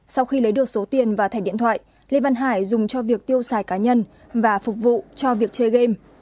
số tiền và thẻ điện thoại lê văn hải dùng cho việc tiêu xài cá nhân và phục vụ cho việc chơi game